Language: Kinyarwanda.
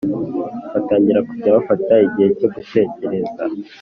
batangira kujya bafata igihe cyo gutekereza